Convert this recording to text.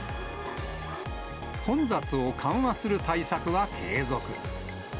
混雑を緩和する対策は継続。